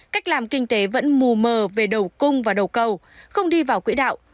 cách làm kinh tế vẫn mù mờ về đầu cung và đầu cầu không đi vào quỹ đạo